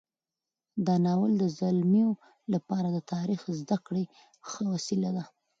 دا ناول د زلمیو لپاره د تاریخ زده کړې ښه وسیله ده.